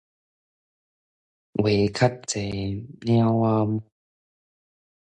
話較濟貓仔毛